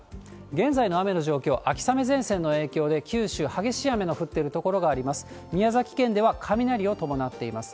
現在の雨の状況、秋雨前線の影響で、九州、激しい雨の降っている所があります。